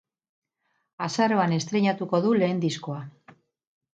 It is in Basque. Azaroan estreinatuko du lehen diskoa.